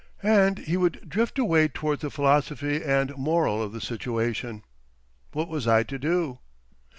And he would drift away towards the philosophy and moral of the situation. What was I to do?